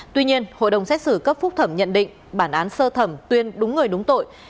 tuy nhiên hội đồng xét xử cấp phúc thẩm nhận định bản án sơ thẩm tuyên đúng người đúng tội